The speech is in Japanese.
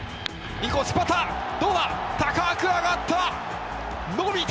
インコース、どうだ、高く上がった。